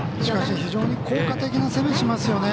非常に効果的な攻めをしますよね。